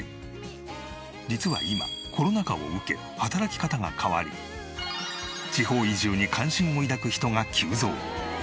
実は今コロナ禍を受け働き方が変わり地方移住に関心を抱く人が急増。